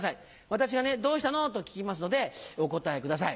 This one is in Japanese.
私が「どうしたの？」と聞きますのでお答えください。